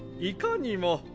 いかにも。